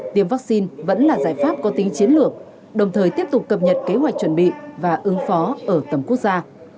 tiêm vaccine vẫn là giải pháp có tính chiến lược đồng thời tiếp tục cập nhật kế hoạch chuẩn bị và ứng phó ở tầm quốc gia